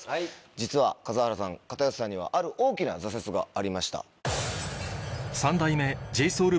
実は数原さん片寄さんにはある大きな挫折がありました。